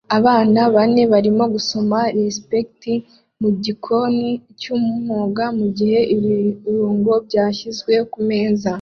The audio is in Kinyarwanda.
Abana bane barimo gusoma resept mugikoni cyumwuga mugihe ibirungo byashyizwe kumeza